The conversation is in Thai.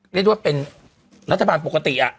เรียกได้ว่าเป็นรัฐบาลปกติ